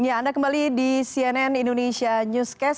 ya anda kembali di cnn indonesia newscast